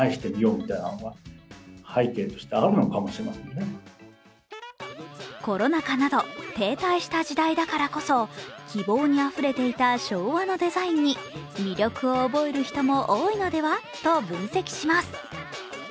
専門家はコロナ禍など停滞した時代だからこそ希望にあふれていた昭和のデザインに魅力を覚える人も多いのではと分析します。